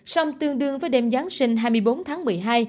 sông tương đương với đêm giáng sinh hai mươi bốn tháng một mươi hai